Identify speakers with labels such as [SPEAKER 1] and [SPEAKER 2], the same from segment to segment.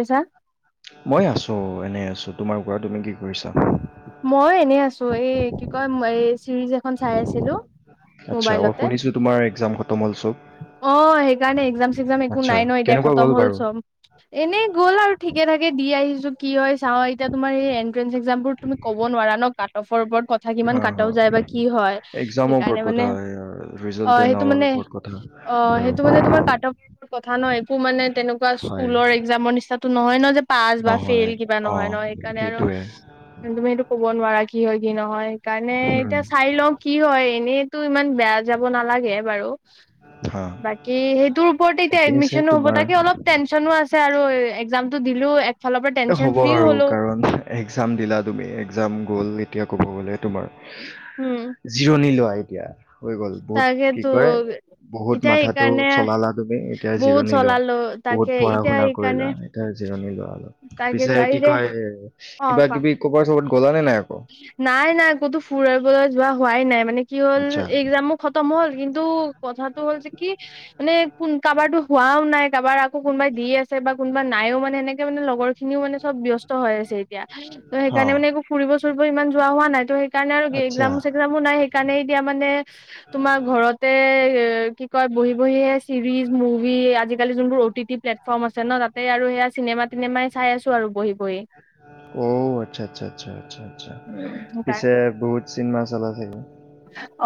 [SPEAKER 1] আছা
[SPEAKER 2] মই আছোঁ। অ'! এনে আছোঁ। তোমাৰ কোৱা কি কৰিছা?
[SPEAKER 1] মই এনে আছোঁ। চ' এই কি কয়, এই চিৰিজ এখন চাই আছিলোঁ।
[SPEAKER 2] আচ্ছা! অ'! শুনিছোঁ। তোমাৰ একজাম
[SPEAKER 1] অ'! সেইকাৰণে, একজাম, চেকজাম একো
[SPEAKER 2] আচ্ছা,
[SPEAKER 1] নাই ন' এতিয়া
[SPEAKER 2] কেনেকুৱা
[SPEAKER 1] খতম
[SPEAKER 2] গ'ল
[SPEAKER 1] হ'ল
[SPEAKER 2] বাৰু?
[SPEAKER 1] চব। এনেই গ'ল আৰু ঠিকে থাকে দি আহিছোঁ। কি হয়? চাওঁ এতিয়া, তোমাৰ এট্ৰেন্স এক্সাম বোৰ তুমি কব নোৱাৰা ন'। কাট অফৰ ওপৰত কথা কিমান
[SPEAKER 2] হা, হা।
[SPEAKER 1] কাটাও যায় বা কি হয়
[SPEAKER 2] এক্সামৰ
[SPEAKER 1] সেইকাৰণে
[SPEAKER 2] ওপৰত
[SPEAKER 1] মানে,
[SPEAKER 2] কথা, ৰিজাল্ট
[SPEAKER 1] অ'!
[SPEAKER 2] এণ্ড
[SPEAKER 1] সেইটো
[SPEAKER 2] অলৰ
[SPEAKER 1] মানে
[SPEAKER 2] ওপৰত কথা
[SPEAKER 1] অ'!
[SPEAKER 2] বাৰু।
[SPEAKER 1] সেইটো মানে, তোমাৰ কাট অফ কথা ন'। একো মানে, তেনেকুৱা
[SPEAKER 2] হয়,
[SPEAKER 1] স্কুলৰ একজামৰ নিচিনা নহয় ন'। যে, পাছ বা
[SPEAKER 2] নহয়,
[SPEAKER 1] ফেইল কিবা নহয়
[SPEAKER 2] অ',
[SPEAKER 1] ন'। সেইকাৰণে আৰু
[SPEAKER 2] সেইটোৱে।
[SPEAKER 1] তুমি সেইটো ক'ব নোৱাৰা। কি হয়, কি নহয়! সেইকাৰণে,
[SPEAKER 2] উম,
[SPEAKER 1] এতিয়া চাই লওঁ কি হয়! এনেইতো ইমান বেয়া যাব নালাগে বাৰু।
[SPEAKER 2] হা,
[SPEAKER 1] বাকী সেইটোৰ ওপৰতে এতিয়া
[SPEAKER 2] ঠিকে আছে
[SPEAKER 1] এডমিচনো হ'ব।
[SPEAKER 2] তোমাৰ।
[SPEAKER 1] তাকে অলপ, টেনচনো আছে আৰু একজাম দিলোঁ। এক
[SPEAKER 2] হ'ব আৰু কাৰণ, একজাম দিলা তুমি একজাম গ'ল। এতিয়া ক'ব গ'লে তোমাৰ
[SPEAKER 1] উম
[SPEAKER 2] জিৰণি লোৱা! এতিয়া হৈ গল বহুত কি
[SPEAKER 1] তাকেতো
[SPEAKER 2] কয় বহুত
[SPEAKER 1] এতিয়া
[SPEAKER 2] মাথাটো
[SPEAKER 1] সেইকাৰণে
[SPEAKER 2] চলালা তুমি। এতিয়া
[SPEAKER 1] বহুত
[SPEAKER 2] জিৰণি লোৱা
[SPEAKER 1] চলালো
[SPEAKER 2] বহুত
[SPEAKER 1] তাকে
[SPEAKER 2] পঢ়া
[SPEAKER 1] এতিয়া
[SPEAKER 2] শুনা
[SPEAKER 1] সেইকাৰণে
[SPEAKER 2] কৰিলা এতিয়া জিৰণি লোৱা। অলপ
[SPEAKER 1] তাকেতো
[SPEAKER 2] পিছে
[SPEAKER 1] আহি
[SPEAKER 2] কি
[SPEAKER 1] দে
[SPEAKER 2] কয়
[SPEAKER 1] অ
[SPEAKER 2] কিবা
[SPEAKER 1] কোৱা
[SPEAKER 2] কিবি কব ক'ত গলাত
[SPEAKER 1] নাই নাই ক'তো ফুৰিবলৈ যোৱা হোৱাই নাই মানে কি হ'ল
[SPEAKER 2] আচ্ছা
[SPEAKER 1] একজামো খতম হ'ল। কিন্তু কথাতটো হ'ল যে কি মানে কোন কাৰোবাৰটো হোৱাও নাই কাবাৰ কোনোবাই দি আছে বা কোনোবা নাইও মানে সেনেকে মানে লগৰ খিনিও মানে চব ব্যস্ত হৈ আছে। এতিয়া
[SPEAKER 2] অ
[SPEAKER 1] সেইকাৰণে মানে ফুৰিব ফুৰিব ইমান যোৱা হোৱা নাই তো সেইকাৰণে আৰু
[SPEAKER 2] আচ্ছা
[SPEAKER 1] একজাম চেগজামো নাই। সেইকাৰণে এতিয়া মানে তোমাৰ ঘৰতে উ [unintelligible] কি কয় বহি বহি চিৰিজ, মুভি আজিকালি যোনবোৰ অ টি টি প্লেটফৰ্ম আছে ন তাতে আৰু সেয়া চিনেমা তিনেমাই চাই আছো আৰু বহি বহি।
[SPEAKER 2] অ আচ্ছা আচ্ছা আচ্ছা আচ্ছা
[SPEAKER 1] উম
[SPEAKER 2] পিছে বহুত চিনেমা চালা ছাগে অ [inaudible]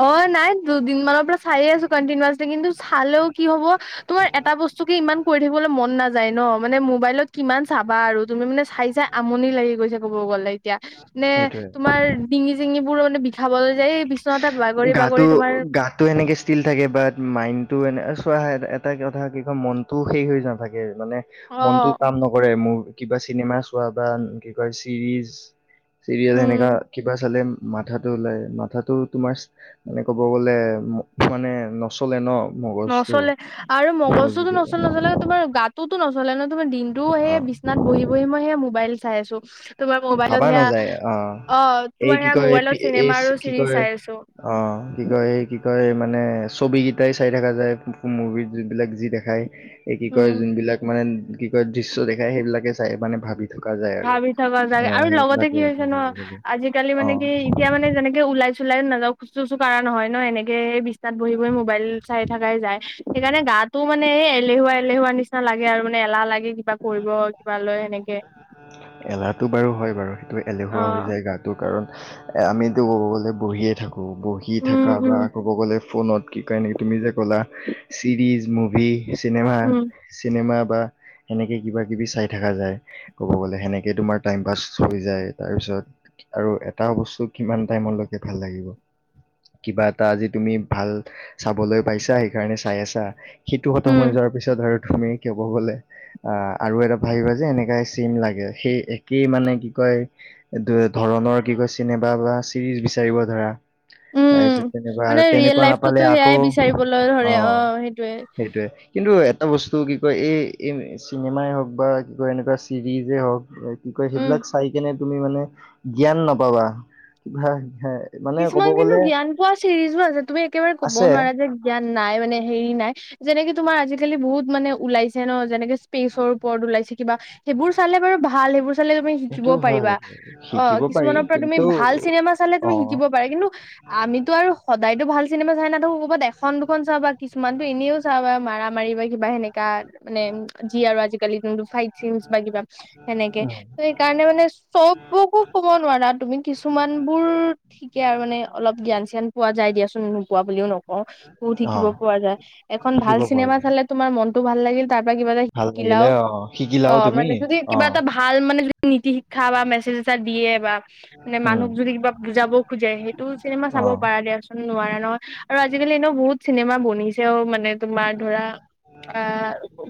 [SPEAKER 1] অ নাই দুদিনমানৰ পৰা চাই আছো কণ্টিনিৱাচলি। কিন্তু চালেও কি হব তোমাৰ এটা বস্তু কি ইমান কৰি থাকিবলৈ মন নাযায় ন মানে মোবাইলত কিমান চাবা আৰু তুমি মানে চাই চাই আমনি লাগি গৈছে ক'ব গ'লে। এতিয়া নে
[SPEAKER 2] সেইটোৱে।
[SPEAKER 1] তোমাৰ ডিঙি জিঙি মানে বিষাবলৈ যায় বিচনাতে বাগৰি
[SPEAKER 2] গাটো
[SPEAKER 1] বাগৰি তোমাৰ
[SPEAKER 2] গাতটো এনেকে ষ্টীল থাকে বাট মাইনতটো এনে চোৱা এটা কথা কি কয় মনতোও শেষ হৈ নাথাকে মানে মনটো
[SPEAKER 1] অ
[SPEAKER 2] কাম নকৰে মোৰ কিবা চিনেমা চোৱা বা কি কয় চিৰিজ চিৰিয়েল এনেকা
[SPEAKER 1] উম
[SPEAKER 2] কিবা চালে মাথাটো ওলাই মাথাটো তোমাৰ মানে ক'ব গ'লে মানে নচলে ন মগজটো
[SPEAKER 1] নচলে আৰু মগজতো
[SPEAKER 2] মগজুটো
[SPEAKER 1] নচলে নচলে তোমাৰ গাতোতো নচ হলে ন দিনটো
[SPEAKER 2] অ
[SPEAKER 1] সেই বিচনাত বহি বহি মই সেই মোবাইল চাই আছো তোমাৰ মোবাইলত
[SPEAKER 2] ভাবা
[SPEAKER 1] সেয়া
[SPEAKER 2] নাযায় অ এই
[SPEAKER 1] তোমাৰ
[SPEAKER 2] কি
[SPEAKER 1] সেয়া
[SPEAKER 2] কয়
[SPEAKER 1] মোবাইলত
[SPEAKER 2] এই
[SPEAKER 1] চিনেমা আৰু
[SPEAKER 2] কি
[SPEAKER 1] চিৰিজ
[SPEAKER 2] কয়
[SPEAKER 1] চাই আছো
[SPEAKER 2] অ কি কয় এই কি কয় মানে মানে ছবি কেইটাই চাই থকা যায়। মুভিত যিবিলাক যি দেখা এই কি কয়
[SPEAKER 1] উম
[SPEAKER 2] যোনবিলাক মানে। কি কয় দৃশ্য দেখাই সেইবিলাকে চাই, মানে ভাবি। থকা যায় আৰু।
[SPEAKER 1] যাই
[SPEAKER 2] অ
[SPEAKER 1] আৰু লগতে
[SPEAKER 2] সেইবিলাকে
[SPEAKER 1] কি
[SPEAKER 2] আৰু
[SPEAKER 1] হৈছে ন
[SPEAKER 2] ক'ব গ'লে
[SPEAKER 1] আজিকালি মানে
[SPEAKER 2] অ।
[SPEAKER 1] কি এতিয়া মানে যেনেকে ওলাইচে। চোলাই নাযাওঁ কচু চু কাৰা নহয় ন এনেকে, এই বিছনাত বহি বহি মোবাইল চাই থাকাই যায়, সেইকাণে গাাতো মানে এই এলেহুৱা এলেহুৱা নিচিনা লাগে আৰু মানে এলাহ লাগে কিবা কৰিব কিবা লয় এনেকে।
[SPEAKER 2] এলাহটো বাৰু হয় বাৰু।
[SPEAKER 1] অ
[SPEAKER 2] এলেহুৱা হৈ যায় গাটো কাৰণ। [unintelligible] আমিতো ক'ব গ'লে বহিয়ে। থাকোঁ বহি
[SPEAKER 1] উম
[SPEAKER 2] থাকা বা
[SPEAKER 1] উম
[SPEAKER 2] ক'ব গ'লে ফোনত কি কয় নেকি, তুমি যে ক'লা? Series, movie. চিনেমা
[SPEAKER 1] উম
[SPEAKER 2] চিনেমা। বা। সেনেকে কিবা কিবি চাই থকা যায় কব গলে সেনেকে তোমাৰ টাইম পাছ হৈ যায়, তাৰ পিছত আৰু এটা বস্তু কিমান টাইমলৈকে ভাল লাগিব, কিবা এটা আজি তুমি ভাল চাবলৈ পাইছা সেইকাৰণে চাই আছা। সিটো খতম সময়
[SPEAKER 1] উম
[SPEAKER 2] যোৱাৰ পিছত আৰু। আমি কেব গলে। আহ আৰু এটা ভাবিবা যে এনেকাই চিম লাগে, সেই একেই মানে কি কয় ধৰণৰ কি কয় চিনেমা বা চিৰিজ বিচাৰিব ধৰা।
[SPEAKER 1] উম
[SPEAKER 2] তাৰপিছত তেনেকুৱা
[SPEAKER 1] মানে
[SPEAKER 2] আৰু
[SPEAKER 1] ৰিয়েল
[SPEAKER 2] তেনেকুৱা
[SPEAKER 1] লাইফটোতো
[SPEAKER 2] নাপালে
[SPEAKER 1] সেয়াই
[SPEAKER 2] আকৌ,
[SPEAKER 1] বিচাৰিবলৈ
[SPEAKER 2] অ
[SPEAKER 1] ধৰে সেইটোয়ে
[SPEAKER 2] সেইটোৱে কিন্তু। এটা বস্তু কি কয় এই এই চি। চিনেমাই হওক বা কি কয় এনেকুৱা চিৰিজেই হওক কি কয়
[SPEAKER 1] উম
[SPEAKER 2] সেইবিলাক চাই কেনে তুমি মানে জ্ঞান নাপাবা। মানে ক'ব
[SPEAKER 1] কিছুমান কিন্তু
[SPEAKER 2] গ'লে
[SPEAKER 1] জ্ঞান পোৱা চিৰিজো আছে তুমি একেবাৰে ক'বও
[SPEAKER 2] আছে
[SPEAKER 1] নোৱাৰা যে জ্ঞান। নাই মানে হেৰি নাই, যেনেকে তোমাৰ আজিকালি বহুত মানে ওলাইছে ন যেনেকে। পেজৰ ওপৰত ওলাইছে কিবা সেইবোৰ চালে বাৰু ভাল সেইবোৰ চালে তুমি শিকিব
[SPEAKER 2] সেইটো হয়
[SPEAKER 1] পাৰিবা, অ
[SPEAKER 2] শিকিব পাৰি
[SPEAKER 1] কিছুমানৰ পৰা তুমি
[SPEAKER 2] কিন্তু
[SPEAKER 1] ভাল চিনেমা চালে
[SPEAKER 2] অ
[SPEAKER 1] তুমি শিক। কিন্তু আমিতো আৰু সদায়তো ভাল চিনেমা। চাই নাথাকো কৰবাত এখ এখন দুখন চাবা কিছুমানতো এনেও চাবা মাৰা। মাৰিবা কিবা সেনেকে। কাষ্ট নেম যি আৰু আজিকালি। ফাইভ জি ইউচ বা কিবা। সেনেকে,
[SPEAKER 2] উম
[SPEAKER 1] ত সেইকাৰণে মানে। মানে চব বোৰকো কব নোৱাৰা তুমি কিছুমান বোৰ। ঠিকে আৰু মানে অলপ জ্ঞান স্যান পোৱা যাই দিয়াচোন, নোপোৱা বুলিও নকওঁ। বহুত
[SPEAKER 2] অ
[SPEAKER 1] শিকিব পোৱা যায়, এখন ভাল
[SPEAKER 2] শিকিব পৰা
[SPEAKER 1] চিনেমা
[SPEAKER 2] যায়
[SPEAKER 1] চালে তোমাৰ মনটো ভাল। লাগিল। তাৰ পৰা কিবা এটা
[SPEAKER 2] ভাল লাগিলে
[SPEAKER 1] শিকিলাও।
[SPEAKER 2] অ
[SPEAKER 1] অ
[SPEAKER 2] শিকিলাও তুমি
[SPEAKER 1] মানে যদি
[SPEAKER 2] অ
[SPEAKER 1] কিবা এটা ভাল মানে যদি নীতি শিক্ষা বা মেছেজ এটা দিয়ে বা মানে
[SPEAKER 2] উম
[SPEAKER 1] মানুহক যদি কিবা যাব খোজে সেইটো চিনেমা চাব
[SPEAKER 2] অ
[SPEAKER 1] পাৰা দিয়াচোন নোৱাৰা ন আৰু। আজিকালি এনেও বহুত। ত চিনেমা বনিছেও মানে তোমাৰ ধৰা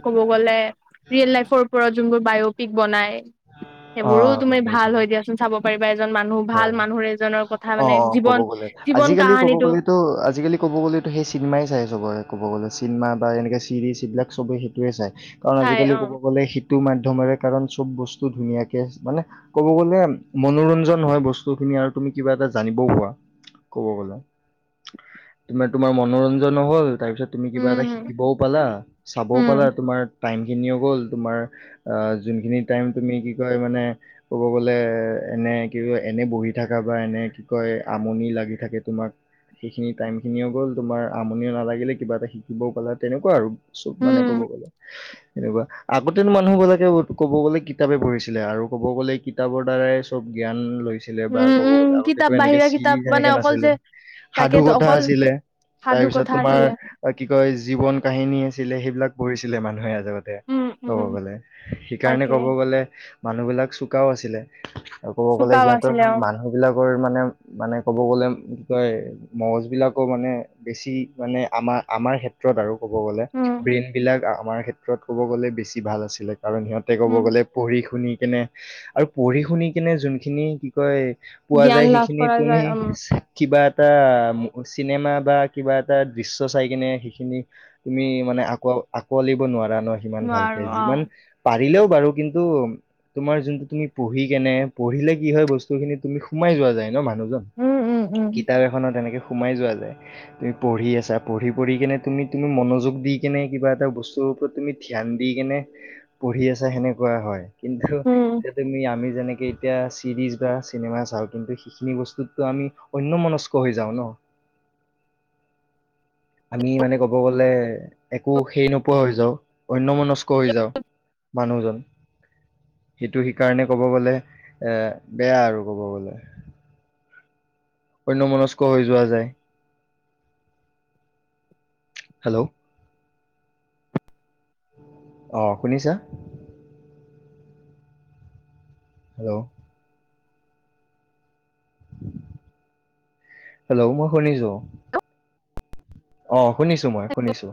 [SPEAKER 1] কব গলে ৰিয়েল লাইফৰ ওপৰত যোনবোৰ বায়পিক বনাই।
[SPEAKER 2] অ
[SPEAKER 1] সেইবোৰো তুমি
[SPEAKER 2] গম পাইছো
[SPEAKER 1] ভাল হয় দিয়াচোন চাব। কিবা এজন মানুহ ভাল
[SPEAKER 2] হয়
[SPEAKER 1] মানুহৰে
[SPEAKER 2] অ অ ক'ব গ'লে আজিকালি ক'ব
[SPEAKER 1] কাহানীটো
[SPEAKER 2] গ'লেতো। আজিকালি ক'ব গ'লেতো সেই চিনেমাই চাইচবৰে ক'ব গলে চিনেমা বা এনেকে চিৰিজ এইবিলাক চবে সেইটোয়ে চায়। কাৰণ
[SPEAKER 1] চাই
[SPEAKER 2] আজিকালি
[SPEAKER 1] অ
[SPEAKER 2] ক'ব গ'লে শ মাধ্যমেৰে কাৰণ চব বস্তু ধুনীয়াকে মানে ক'ব গ'লে মনোৰঞ্জন নহয় বস্তু খিনি আৰু তুমি কিবা এটা জানিবও পোৱা কব গলে। তমাৰ তোমাৰ মনোৰঞ্জন হ'ল তাৰ পিছত তুমি কিবা এটা
[SPEAKER 1] উম
[SPEAKER 2] শিকিবও পালা, চাবও পালা
[SPEAKER 1] উম
[SPEAKER 2] তোমাৰ টাইমখিনিও গ'ল তোমাৰ যোনখিনি টাইম তুমি কি কয় মানে ক'ব গ'লে এনে ক এনে বহি থাকা বা এনে কি কয় আমনি লাগি থাকে তোমাক। সেইখিনি টাইমখিনিও গ'ল তোমাৰ আমনিও নালাগিলে কিবা এটা শিকিবও পালা তেনেকুৱা আৰু চব মানে ক'ব
[SPEAKER 1] উম
[SPEAKER 2] গ'লে এনেকুৱা আগতেনো মানুহবিলাকে ক'ব গ'লে কিতাপে পঢ়িছিলে আৰু ক'ব গ'লে কিতাপৰ দ্বাৰাই চব জ্ঞান লৈ বা
[SPEAKER 1] উম
[SPEAKER 2] ক'ব
[SPEAKER 1] উম
[SPEAKER 2] গলে আগতেটো
[SPEAKER 1] কিতাপ
[SPEAKER 2] এনেকে
[SPEAKER 1] বাহিৰা কিতাপ
[SPEAKER 2] চিৰিজ
[SPEAKER 1] মানে
[SPEAKER 2] এনেকে
[SPEAKER 1] অকল
[SPEAKER 2] নাছিলে
[SPEAKER 1] যে
[SPEAKER 2] সাধু
[SPEAKER 1] তাকেতো
[SPEAKER 2] কথা
[SPEAKER 1] অকল
[SPEAKER 2] আছিলে।
[SPEAKER 1] সাধু
[SPEAKER 2] তাৰপিছত
[SPEAKER 1] কথা
[SPEAKER 2] তোমাৰ
[SPEAKER 1] আছিলে
[SPEAKER 2] কি কয় জীৱন কাহিনী আছিলে সেইবিলাক পঢ়ছিলে মানুহে আজি তে
[SPEAKER 1] উম
[SPEAKER 2] কব
[SPEAKER 1] উম
[SPEAKER 2] গলে সেইকাৰণে
[SPEAKER 1] তাকে
[SPEAKER 2] কব গলে মানুহবিলাক চোকাও আছিলে। আৰু ক'ব গ'লে
[SPEAKER 1] চুকাও
[SPEAKER 2] সিহঁতৰ
[SPEAKER 1] আছিলে অ
[SPEAKER 2] মানুহ বিলাক মানে মানে ক'ব গ'লে কয় মগজবিলাকো মানে বেছি মানে আমাৰ আমাৰ ক্ষেত্ৰত আৰু ক'ব গলে
[SPEAKER 1] উম
[SPEAKER 2] ব্ৰেইন বিলাক আমাৰ ক্ষেত্ৰত ক'ব গ'লে বেছি ভাল আছিলে। কাৰণ সিহঁতে ক'ব
[SPEAKER 1] উম
[SPEAKER 2] গ'লে পঢ়ি শুনি কেনে আৰু পঢ়ি শুনি কিনে যোনখিনি কি কয় পোৱা
[SPEAKER 1] জ্ঞান
[SPEAKER 2] যায়
[SPEAKER 1] লাভ
[SPEAKER 2] সেইখিনি
[SPEAKER 1] কৰা
[SPEAKER 2] তুমি
[SPEAKER 1] যায় উম
[SPEAKER 2] কিবা এটা চিনেমা বা কিবা এটা দৃশ্য চাই কিনে সেইখিনি তুমি মানে আক আঁকোৱালিব নোৱাৰা। সিমান ভালকে
[SPEAKER 1] নোৱাৰো অ
[SPEAKER 2] যিমান পান পাৰিলেও বাৰু কিন্তু তুমাৰ যোনটো তুমি পঢ়ি কেনে পঢ়িলে কি হয় বস্তুখিনিত তুমি সোমাই যায় ন? মানুহ জন।
[SPEAKER 1] উম উম উম
[SPEAKER 2] কিতাপ এখনত সোমাই যোৱা যায় তুমি পঢ়ি আছা পঢ়ি- পঢ়ি কেনে তুমি তুমি মনোযোগ দি কেনে কিবা এটা বস্তুৰ ওপৰত তুমি ধ্যান দি কেনে পঢ়ি আছা সেনেকুৱা হয়। কিন্তু এতিয়া
[SPEAKER 1] উম
[SPEAKER 2] তুমি আমি যেনেক এতিয়া চিৰিজ বা চিনেমা চাওঁ কিন্তু সেইখিনি বস্তুতটো আমি অন্যমনস্ক হৈ যাওঁ ন? আমি মানে কব গলে একো সেই নোপোৱা হৈ যাও। অন্যমন স্ক হৈ যাওঁ। মানুহজন সেইটো সেইকাৰণে ক'ব গ'লে বেয়া আৰু ক'ব গ'লে অন্যমনস্ক হৈ যোৱা যায়। হেল্ল' অঁ শুনিছা হেল্ল' হেল্ল' মই শুনিছোঁ। অ শুনিছোঁ মই শুনিছোঁ।